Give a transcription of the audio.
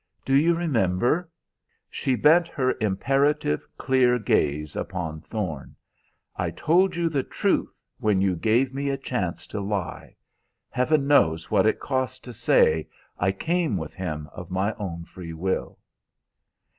Do you remember?" She bent her imperative, clears gaze upon Thorne. "I told you the truth when you gave me a chance to lie. Heaven knows what it cost to say, 'I came with him of my own free will!'"